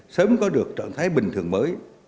sớm có được trạng thái bình thường mới